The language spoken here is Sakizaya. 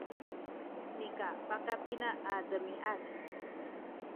nika pakapina a demiad